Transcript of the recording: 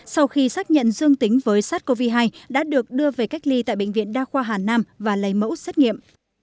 sau khi xác nhận dương tính với sars cov hai đã được đưa về cách ly tại bệnh viện đa khoa hà nam và lấy mẫu xét nghiệm